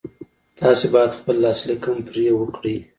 تاسې بايد خپل لاسليک هم پرې وکړئ.